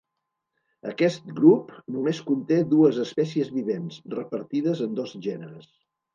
Aquest grup només conté dues espècies vivents, repartides en dos gèneres.